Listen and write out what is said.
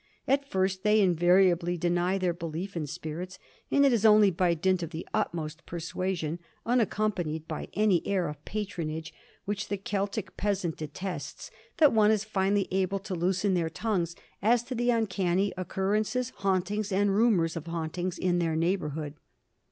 At first they invariably deny their belief in spirits, and it is only by dint of the utmost persuasion unaccompanied by any air of patronage which the Celtic peasant detests that one is finally able to loosen their tongues as to uncanny occurrences, hauntings, and rumours of hauntings, in their neighbourhood.